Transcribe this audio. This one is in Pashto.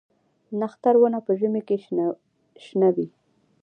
نښتر ونه په ژمي کې شنه وي؟